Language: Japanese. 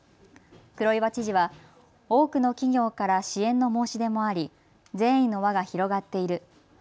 黒岩知事は多くの企業から支援の申し出もあり善意の輪が広がっている。